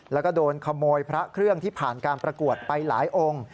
แล้วก็โดนขโมยพระเครื่องที่ผ่านการประกวดไปหลายองค์